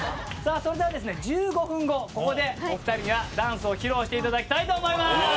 さぁそれでは１５分後ここでお２人にはダンスを披露していただきたいと思います。